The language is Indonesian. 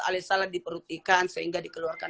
alih salat diperutikan sehingga dikeluarkan